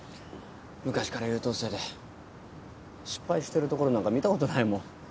昔から優等生で失敗してるところなんか見たことないもん。